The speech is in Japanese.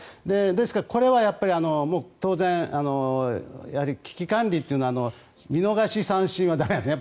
ですからこれは当然、危機管理というのは見逃し三振は駄目なんですね。